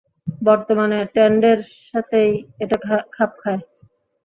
বর্তমানে ট্রেন্ডের সাথেই এটা খাপ খায়!